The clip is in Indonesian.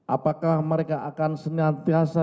apakah mereka akan senyantiasa